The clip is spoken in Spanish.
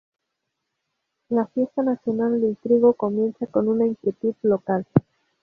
La Fiesta Nacional del Trigo comienza con una inquietud local.